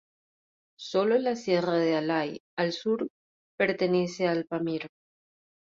Solo la sierra de Alai, al sur, pertenece al Pamir.